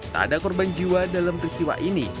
tak ada korban jiwa dalam peristiwa ini